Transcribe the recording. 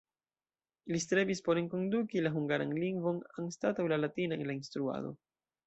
Li strebis por enkonduki la hungaran lingvon anstataŭ la latina en la instruado.